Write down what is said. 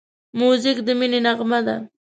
موزیک د مینې نغمه ده.